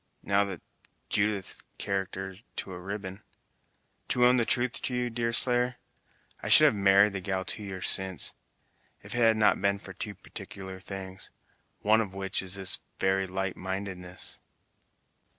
Now that's Judith's character to a ribbon! To own the truth to you, Deerslayer, I should have married the gal two years since, if it had not been for two particular things, one of which was this very lightmindedness."